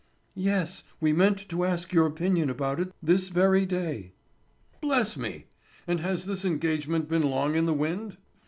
"Yes, we meant to ask your opinion about it this very day." "Bless me! And has this engagement been long in the wind?"